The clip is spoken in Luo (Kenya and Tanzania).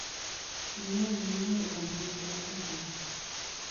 No nyiewo omenda adi